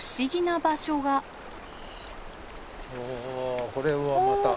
おこれはまた。